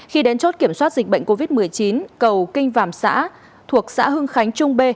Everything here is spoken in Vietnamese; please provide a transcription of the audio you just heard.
khi đến chốt kiểm soát dịch bệnh covid một mươi chín cầu kinh vàm xã thuộc xã hưng khánh trung b